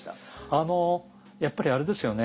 あのやっぱりあれですよね